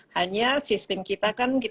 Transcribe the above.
hanya sistem kita kan